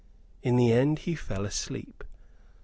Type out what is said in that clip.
In the end he fell asleep.